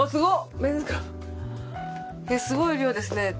すごい量ですね。